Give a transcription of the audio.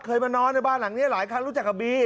เคยมานอนในบ้านหลังนี้หลายครั้งรู้จักกับบี